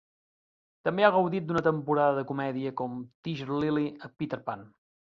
També ha gaudit d'una temporada de comèdia com Tiger Lilly a "Peter Pan".